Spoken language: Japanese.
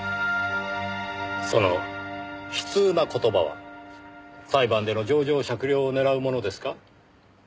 その悲痛な言葉は裁判での情状酌量を狙うものですか？